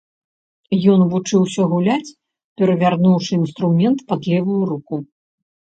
Ён вучыўся гуляць, перавярнуўшы інструмент пад левую руку.